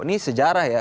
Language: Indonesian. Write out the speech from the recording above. ini sejarah ya